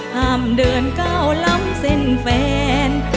ทำเดินเก้าล้ำเส้นแฟน